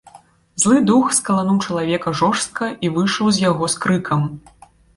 Злы дух скалануў чалавека жорстка і выйшаў з яго з крыкам.